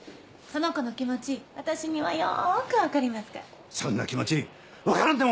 その子の気持ち私にはよくわかりますから。